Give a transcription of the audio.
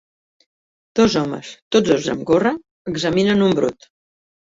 Dos homes, tots dos amb gorra, examinen un brot.